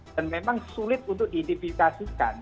dan memang sulit untuk diidentifikasikan